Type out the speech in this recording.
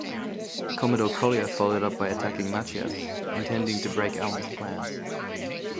Commodore Collier followed up by attacking Machias, intending to break Allan's plans.